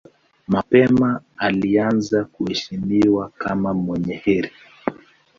Mapema alianza kuheshimiwa kama mwenye heri.